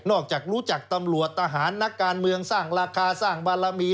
จากรู้จักตำรวจทหารนักการเมืองสร้างราคาสร้างบารมี